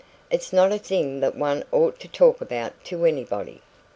It's not a thing that one ought to talk about to anybody."